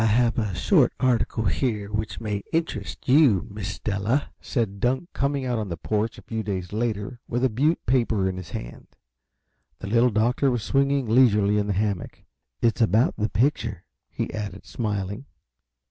"I have a short article here which may interest you, Miss Della," said Dunk, coming out on the porch a few days later with a Butte paper in his hand. The Little Doctor was swinging leisurely in the hammock. "It's about the picture," he added, smiling.